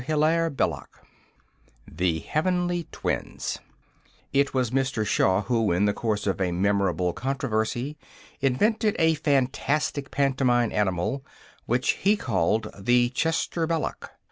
HILAIRE BELLOC 1. THE HEAVENLY TWINS It was Mr. Shaw who, in the course of a memorable controversy, invented a fantastic pantomime animal, which he called the "Chester Belloc."